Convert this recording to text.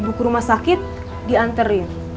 bapaknya gak mau nyanyi